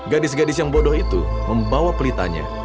gadis gadis yang bodoh itu membawa pelitanya